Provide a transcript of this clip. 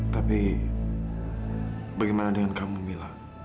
tapi bagaimana dengan kamu mila